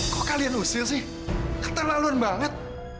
kok kalian usil sih keterlaluan banget